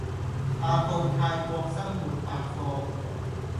阿布泰國生活百貨